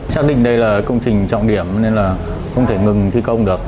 xác định đây là công trình trọng điểm nên là không thể ngừng thi công được